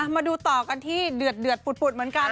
มาดูต่อกันที่เดือดปุดเหมือนกัน